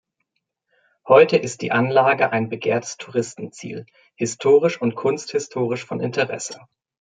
Heute ist die Anlage ein begehrtes Touristenziel, historisch und kunsthistorisch von Interesse.